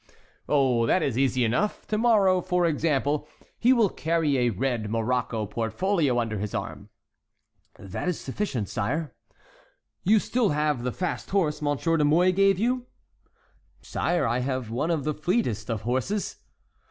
"Oh, that is easy enough; to morrow, for example, he will carry a red morocco portfolio under his arm." "That is sufficient, sire." "You still have the fast horse M. de Mouy gave you?" "Sire, I have one of the fleetest of horses."